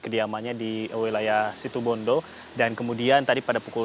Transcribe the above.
dan kemudian tadi pada pukul sembilan